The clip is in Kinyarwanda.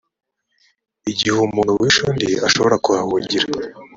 igihe umuntu wishe undi ashobora kuhahungira